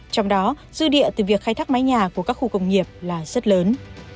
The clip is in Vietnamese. trong đó dư địa từ việc khai thác mái nhà của các khu công nghiệp là rất lớn